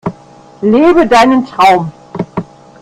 Lebe deinen Traum!